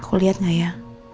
aku liat gak ya